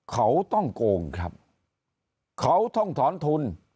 เขาต้องโกงครับเขาต้องถอนทุน